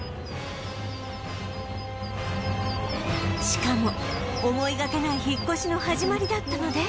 しかも思いがけない引っ越しの始まりだったので